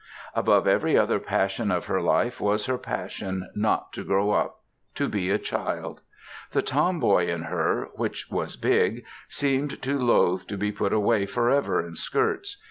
Above every other passion of her life was her passion not to grow up, to be a child. The tom boy in her, which was big, seemed to loathe to be put away forever in skirts.